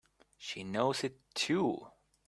She knows it too!